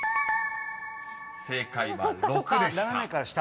［正解は「６」でした］